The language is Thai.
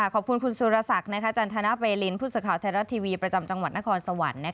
ขอบคุณคุณสุรศักดิ์จันทนเวลินผู้สื่อข่าวไทยรัฐทีวีประจำจังหวัดนครสวรรค์